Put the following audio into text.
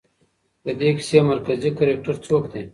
د دې کیسې مرکزي کرکټر څوک دی؟